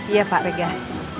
iya pak regar